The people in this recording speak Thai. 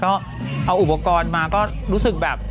ก็เอาอุปกรณ์มาก็รู้สึกแบบ